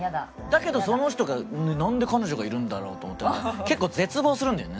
だけどその人がなんで彼女がいるんだろう？と思って結構絶望するんだよね。